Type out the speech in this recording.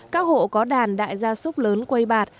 các hộ có đàn đại gia súc lớn quây bạt